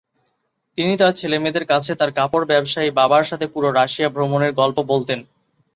তিনি তার ছেলেমেয়েদের কাছে তার কাপড়-ব্যবসায়ী বাবার সাথে পুরো রাশিয়া ভ্রমণের গল্প বলতেন।